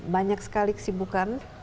banyak sekali kesibukan